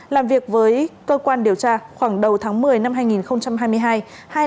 làm việc với cơ quan điều tra khoảng đầu tháng một mươi năm hai nghìn hai mươi hai